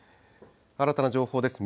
新たな情報です。